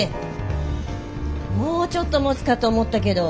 もうちょっともつかと思ったけど。